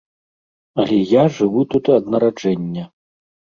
Але я жыву тут ад нараджэння.